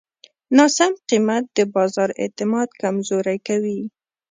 ناسم قیمت د بازار اعتماد کمزوری کوي.